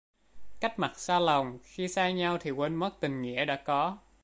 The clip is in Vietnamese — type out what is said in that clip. Cách mặt xa lòng: khi xa nhau thì quên mất tình nghĩa đã có.